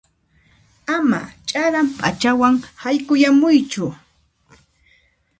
Ama ch'aran p'achawan haykuyamuychu.